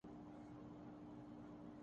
مٹا دی اپنی ھستی کو اگر کچھ مرتبہ چاھے